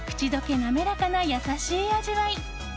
滑らかな優しい味わい。